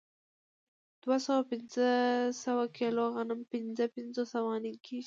دوه سوه پنځه پنځوس کیلو غنم پنځه پنځوس افغانۍ کېږي